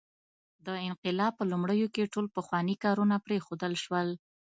د انقلاب په لومړیو کې ټول پخواني کارونه پرېښودل شول.